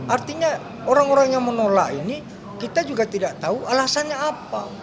artinya orang orang yang menolak ini kita juga tidak tahu alasannya apa